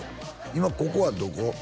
今ここはどこ？